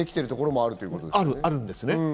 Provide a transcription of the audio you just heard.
あるんですね。